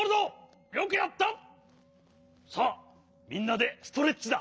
さあみんなでストレッチだ！